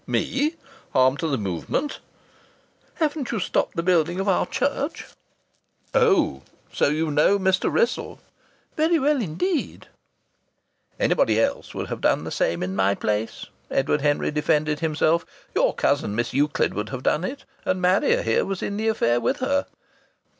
"Me harm to the Movement?" "Haven't you stopped the building of our church?" "Oh! So you know Mr. Wrissell?" "Very well, indeed." "Anybody else would have done the same in my place!" Edward Henry defended himself. "Your cousin, Miss Euclid, would have done it, and Marrier here was in the affair with her."